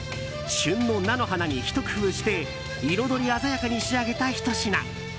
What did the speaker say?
旬の菜の花にひと工夫して彩り鮮やかに仕上げたひと品。